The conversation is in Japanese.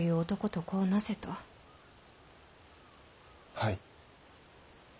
はい。